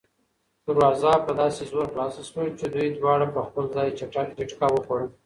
دروازه په داسې زور خلاصه شوه چې دوی دواړه په خپل ځای جټکه وخوړه.